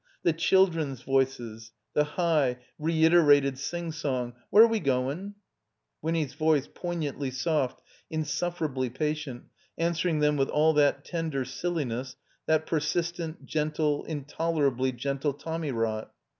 The children's voices, the high, reiterated singsong, Where we goin'?'* Winny's voice, poignantly soft, insufferably patient, answering them with all that tender silliness, that persistent, gentle, intolerably gentle tommy rot.